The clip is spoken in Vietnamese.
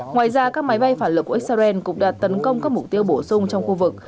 ngoài ra các máy bay phản lực của israel cũng đã tấn công các mục tiêu bổ sung trong khu vực